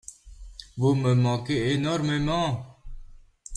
Vous me manquez énormément.